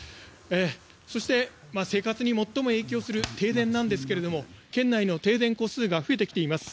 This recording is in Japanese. そして生活に最も影響する停電ですが県内の停電戸数が増えてきています。